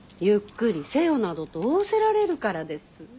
ゆっくりせよなどと仰せられるからです。